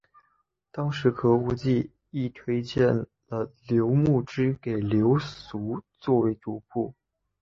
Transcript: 当时何无忌亦推荐了刘穆之给刘裕作为主簿。